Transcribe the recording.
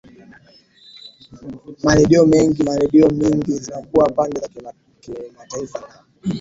ma redio mengi ma redio mingi zinakuwa pande za kimataifa naa